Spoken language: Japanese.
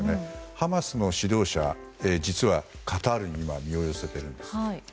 ハマスの主導者、実はカタールに身を寄せているんです。